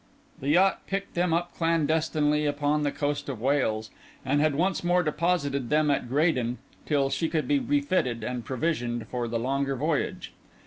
The yacht picked them up clandestinely upon the coast of Wales, and had once more deposited them at Graden, till she could be refitted and provisioned for the longer voyage.